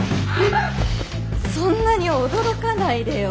そんなに驚かないでよ。